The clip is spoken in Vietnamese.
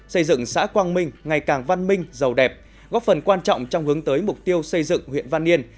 xây dựng xã quang minh ngày càng văn minh giàu đẹp góp phần quan trọng trong hướng tới mục tiêu xây dựng huyện văn yên